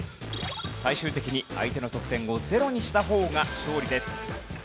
最終的に相手の得点をゼロにした方が勝利です。